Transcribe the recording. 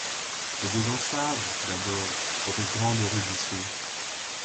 Peu de gens savent, d'abord, votre grande érudition.